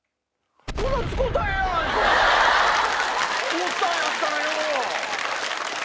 おったんやったらよ！